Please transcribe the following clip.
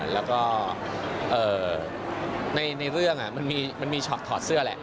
แล้วก็ในเรื่องมันมีช็อปถอดเสื้อแหละ